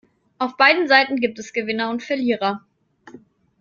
Auf beiden Seiten gibt es Gewinner und Verlierer.